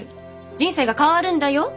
人生が変わるんだよ。